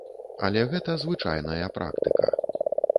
Але гэта звычайная практыка.